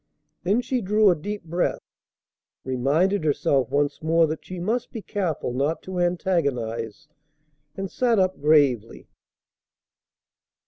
Then she drew a deep breath, reminded herself once more that she must be careful not to antagonize, and sat up gravely.